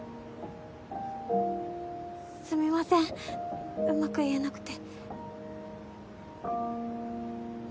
すみませんうまく言えなくて。